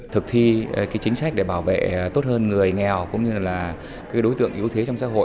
thực thi chính sách để bảo vệ tốt hơn người nghèo cũng như là đối tượng yếu thế trong xã hội